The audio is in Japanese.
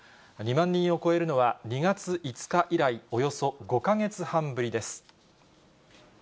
２万人を超えるのは２月５日以来、およそ５か月半ぶりです。